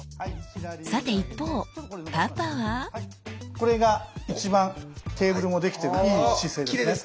さて一方パパはこれが一番テーブルもできてるいい姿勢です。